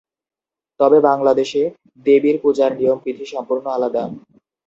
তবে, বাংলাদেশে দেবীর পূজার নিয়ম বিধি সম্পূর্ণ আলাদা।